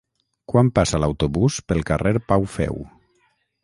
Quan passa l'autobús pel carrer Pau Feu?